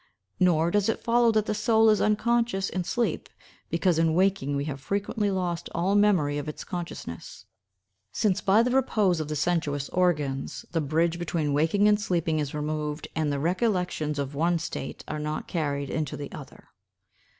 Nor does it follow that the soul is unconscious in sleep because in waking we have frequently lost all memory of its consciousness; since, by the repose of the sensuous organs, the bridge between waking and sleeping is removed, and the recollections of one state are not carried into the other."